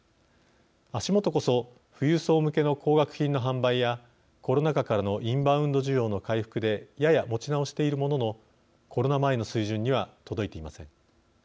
足元こそ富裕層向けの高額品の販売やコロナ禍からのインバウンド需要の回復でやや持ち直しているもののコロナ前の水準には届いていません。